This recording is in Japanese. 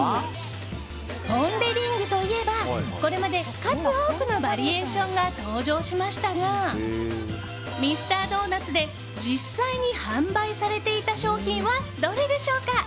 ポン・デ・リングといえばこれまで、数多くのバリエーションが登場しましたがミスタードーナツで実際に販売されていた商品はどれでしょうか？